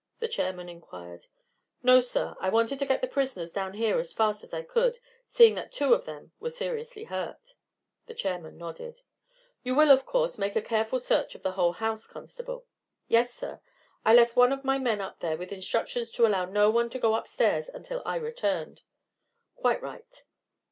the chairman inquired. "No, sir; I wanted to get the prisoners down here as fast as I could, seeing that two of them were seriously hurt." The chairman nodded. "You will, of course, make a careful search of the whole house, constable." "Yes, sir; I left one of my men up there with instructions to allow no one to go upstairs until I returned." "Quite right."